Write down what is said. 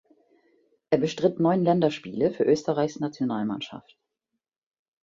Er bestritt neun Länderspiele für Österreichs Nationalmannschaft.